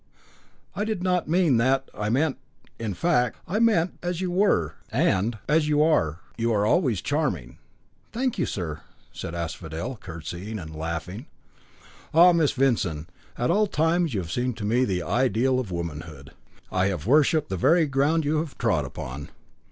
"I did not mean that I meant in fact, I meant that as you were and as you are you are always charming." "Thank you, sir!" said Asphodel, curtsying and laughing. "Ah! Miss Vincent, at all times you have seemed to me the ideal of womanhood. I have worshipped the very ground you have trod upon."